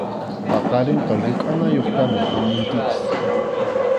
Paqarinqa rukʼanayuqkama hamunkichik.